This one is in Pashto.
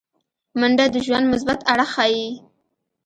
منډه د ژوند مثبت اړخ ښيي